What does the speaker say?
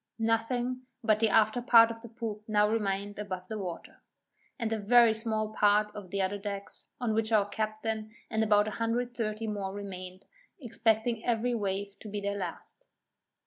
Nothing but the after part of the poop now remained above water, and a very small part of the other decks, on which our captain, and about 130 more remained, expecting every wave to be their last.